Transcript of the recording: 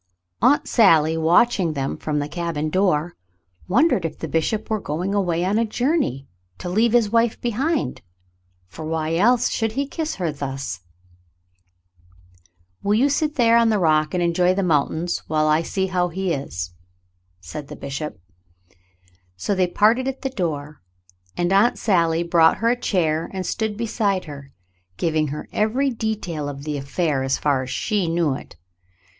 Aunt Sally, watching them from the cabin door, wondered if the bishop were going away on a journey, to leave his wife behind, for why else should he kiss her thus ? "Will you sit there on the rock and enjoy the mountains while I see how he is.^" said the bishop. So they parted at the door, and Aunt Sally brought her a chair and stood beside her, giving her every detail of the affair as far as she knew it.